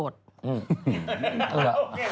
โอเคจบ